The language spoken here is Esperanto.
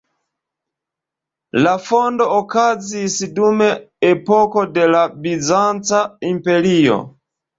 La fondo okazis dum epoko de la Bizanca Imperio.